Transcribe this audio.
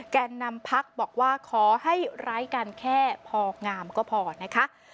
แก่นนำพักบอกว่าขอให้ร้ายกันแค่พองามก็พอนะคะ